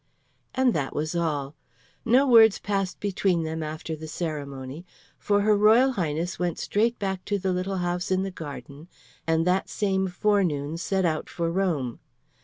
And that was all. No words passed between them after the ceremony, for her Royal Highness went straight back to the little house in the garden, and that same forenoon set out for Rome.